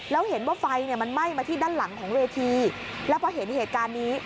แล้วเห็นว่าไฟเนี่ยมันไหม้มาที่ด้านหลังของเวทีแล้วพอเห็นเหตุการณ์นี้